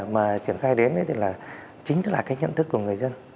là triển khai đến thì là chính là cái nhận thức của người dân